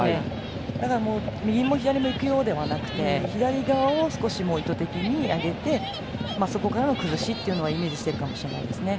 だから右も左も行くよではなくて左側を意図的に上げてそこからの崩しっていうのはイメージしてるかもしれないですね。